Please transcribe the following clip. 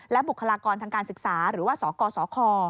บุคลากรทางการศึกษาหรือว่าสกสค